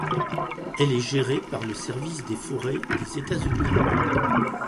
Elle est gérée par le service des forêts des États-Unis.